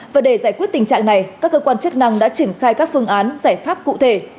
và để giải quyết tình trạng này các cơ quan chức năng đã triển khai các phương án giải pháp cụ thể